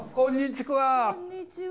こんにちは。